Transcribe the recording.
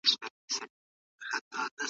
د کتابونو سانسورول د پوهي دښمني ده.